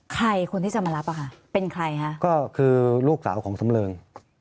ใครคนที่จะมารับอ่ะค่ะเป็นใครคะก็คือลูกสาวของสำเริง